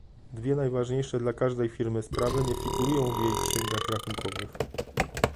Dwie najważniejsze dla każdej firmy sprawy nie figurują w jej księgach rachunkowych